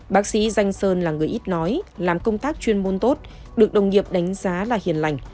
bác sĩ danh sơn là người ít nói làm công tác chuyên môn tốt được đồng nghiệp đánh giá là hiền lành